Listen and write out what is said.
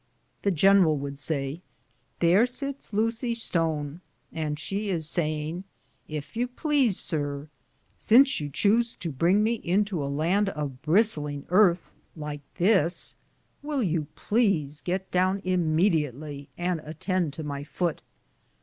The general would say, " There sits Lucy Stone, and she is saying, ' If you please, sir, since you chose to bring me into a land of bristling earth like this, will you please get down immediately and attend to my foot?'"